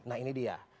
nah ini dia